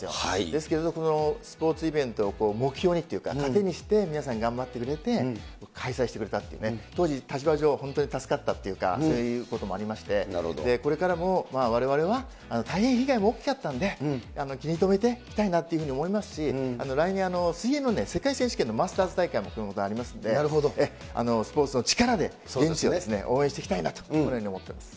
ですけど、このスポーツイベントを目標にっていうか、糧にして皆さん頑張ってくれて、開催してくれたっていうね、当時、立場上、本当に助かったというか、そういうこともありまして、これからもわれわれは、大変被害も大きかったんで、気に留めていたいなというふうに思いますし、来年、水泳の世界選手権のマスターズ大会も熊本、ありますので、スポーツの力で、現地を応援していきたいなと、このように思っております。